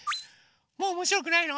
もうおもしろくないの？